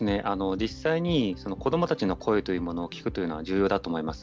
実際に子どもたちの声というものを聞くというのは重要だと思います。